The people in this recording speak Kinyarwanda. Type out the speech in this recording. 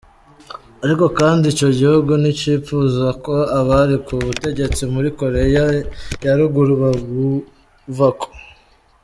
Ariko kandi ico gihugu nticipfuza ko abari ku butegetsi muri Korea ya ruguru babuvako.